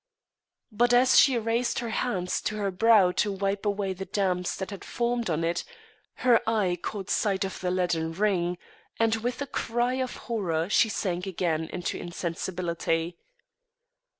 But, as she raised her hands to her brow to wipe away the damps that had formed on it, her eye caught sight of the leaden ring, and with a cry of horror she sank again into insensibility.